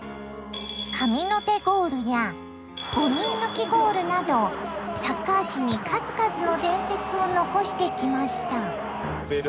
「神の手ゴール」や「５人抜きゴール」などサッカー史に数々の伝説を残してきました。